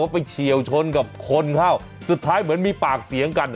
เฉียวชนกับคนเข้าสุดท้ายเหมือนมีปากเสียงกัน